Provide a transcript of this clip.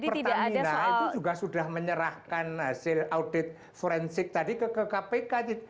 pertamina itu juga sudah menyerahkan hasil audit forensik tadi ke kpk